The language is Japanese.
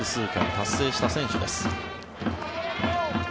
達成した選手です。